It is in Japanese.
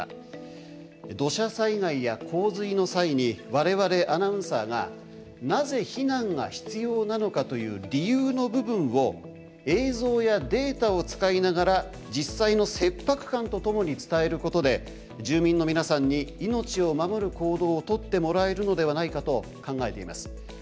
土砂災害や洪水の際に我々アナウンサーがなぜ避難が必要なのかという理由の部分を映像やデータを使いながら実際の切迫感と共に伝えることで住民の皆さんに命を守る行動をとってもらえるのではないかと考えています。